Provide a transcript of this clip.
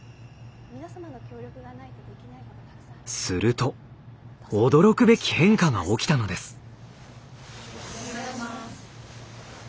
すると驚くべき変化が起きたのです。